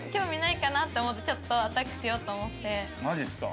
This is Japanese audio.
マジっすか。